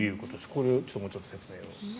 これ、もうちょっと説明を。